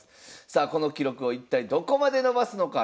さあこの記録を一体どこまで伸ばすのか。